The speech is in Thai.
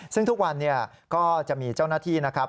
ซึ่งทุกวันก็จะมีเจ้าหน้าที่นะครับ